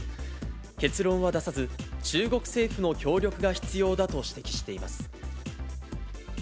結論は出さず、中国政府の協力が必要だと指摘しています。